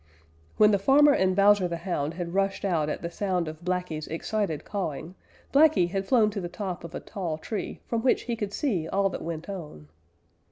When the farmer and Bowser the Hound had rushed out at the sound of Blacky's excited cawing, Blacky had flown to the top of a tall tree from which he could see all that went on.